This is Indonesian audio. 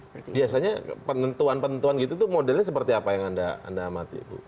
biasanya penentuan penentuan gitu tuh modelnya seperti apa yang anda amati ibu